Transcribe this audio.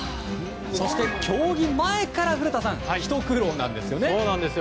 そして競技前からひと苦労なんですよね。